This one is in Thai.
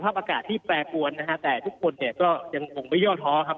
อากาศที่แปรปวนนะฮะแต่ทุกคนเนี่ยก็ยังคงไม่ย่อท้อครับ